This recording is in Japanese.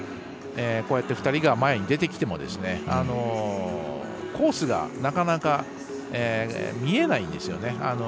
こうやって２人が前に出てきてもコースがなかなか見えないんですよね。